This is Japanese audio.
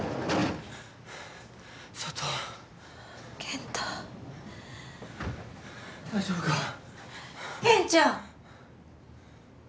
健ちゃん。